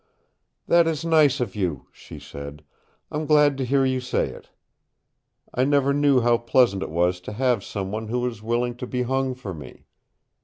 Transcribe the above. "That is nice of you," she said. "I'm glad to hear you say it. I never knew how pleasant it was to have some one who was willing to be hung for me.